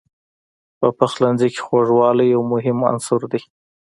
په پخلنځي کې خوږوالی یو مهم عنصر دی.